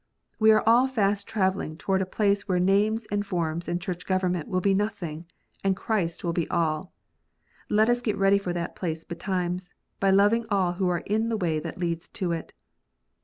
We are all ftist travelling toward a place where names and forms and Church government will be nothing, and Christ will be all. Let us get ready for that place betimes, by loving all who are in the way that leads to it.